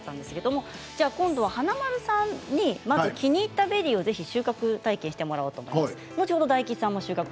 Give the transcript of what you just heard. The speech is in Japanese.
華丸さんに気に入ったベリーの収穫体験してもらおうと思います。